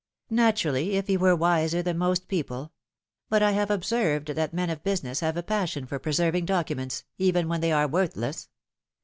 " Naturally, if he were wiser than most people. But I have observed that men of business have a passion for preserving documents, even when they are worthless.